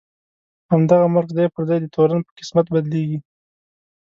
همدغه مرګ ځای پر ځای د تورن په قسمت بدلېږي.